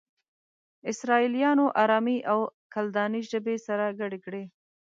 اسرائيليانو آرامي او کلداني ژبې سره گډې کړې.